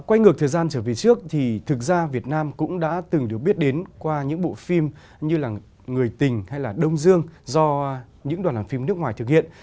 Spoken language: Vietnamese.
quay ngược thời gian trở về trước thì thực ra việt nam cũng đã từng được biết đến qua những bộ phim như là người tình hay là đông dương do những đoàn làm phim nước ngoài thực hiện